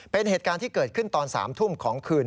เป็นเหตุการณ์ที่เกิดขึ้นตอน๓ทุ่มของคืน